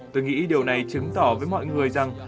tôi nghĩ điều này chứng tỏ với mọi người rằng